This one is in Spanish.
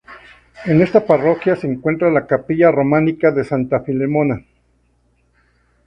En esta parroquia se encuentra la capilla románica de Santa Filomena.